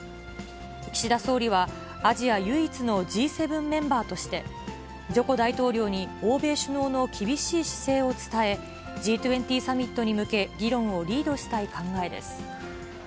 岸田総理は、アジア唯一のＧ７メンバーとして、ジョコ大統領に欧米首脳の厳しい姿勢を伝え、Ｇ２０サミットに向け議論をリードしたい考えです。